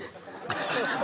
ハハハハ！